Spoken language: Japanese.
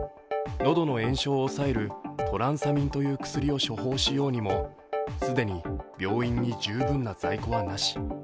喉の炎症を抑えるトランサミンという薬を処方しようにも既に病院に十分な在庫は、なし。